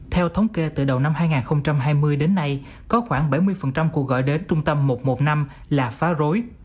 theo thống kê từ đầu năm hai nghìn hai mươi đến nay có khoảng bảy mươi cuộc gọi đến trung tâm một trăm một mươi năm là phá rối